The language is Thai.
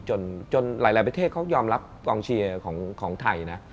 จนหลายประเทศเขายอมรับกองเชียร์ของไทยนะ